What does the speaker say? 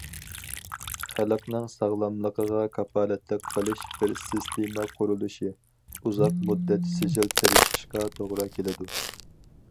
خەلقنىڭ ساغلاملىقىغا كاپالەتلىك قىلىش بىر سىستېما قۇرۇلۇشى، ئۇزاق مۇددەت سىجىل تىرىشىشقا توغرا كېلىدۇ.